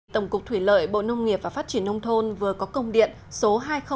tổng cục thủy lợi bộ nông nghiệp và phát triển nông thôn vừa có công điện số hai nghìn một mươi